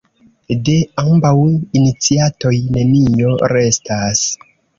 De ambaŭ iniciatoj nenio restas.